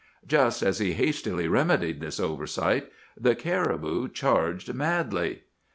Just as he hastily remedied this oversight, the caribou charged madly.